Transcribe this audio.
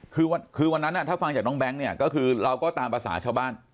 คือวันนั้นถ้าฟังจากน้องแบงค์เนี่ยก็คือเราก็ตามภาษาชาวบ้าน